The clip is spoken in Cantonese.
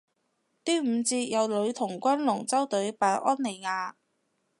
端午節有女童軍龍舟隊扮安妮亞